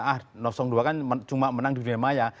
ah dua kan cuma menang di dunia maya